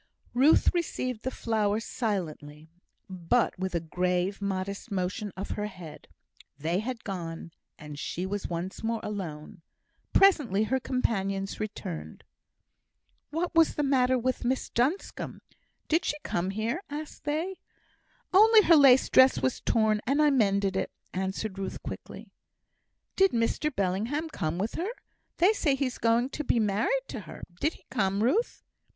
Ruth received the flower silently, but with a grave, modest motion of her head. They had gone, and she was once more alone. Presently, her companions returned. "What was the matter with Miss Duncombe? Did she come here?" asked they. "Only her lace dress was torn, and I mended it," answered Ruth, quietly. "Did Mr Bellingham come with her? They say he's going to be married to her; did he come, Ruth?"